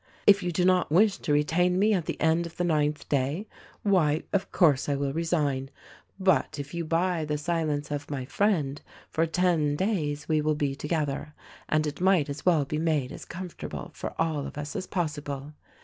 If you do not wish to retain me at the end of the ninth day, why, of course, I will resign. But, if you buy the silence of my friend, for ten days we will be together, and it might as well be made as' com fortable for all of us as possible.